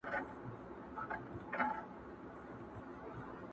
o پردى غم تر واورو سوړ دئ!